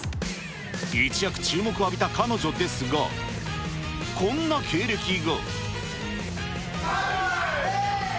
一躍注目を浴びた彼女ですが、こんな経歴が。